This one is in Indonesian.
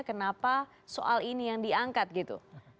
kenapa soal ini yang diangkat gitu